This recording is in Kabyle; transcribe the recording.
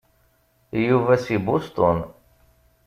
Yuba si Boston.